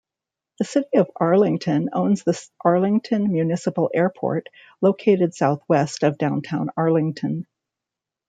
The city of Arlington owns the Arlington Municipal Airport, located southwest of downtown Arlington.